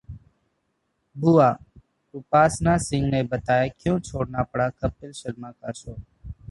'बुआ' उपासना सिंह ने बताया क्यों छोड़ना पड़ा कपिल शर्मा का शो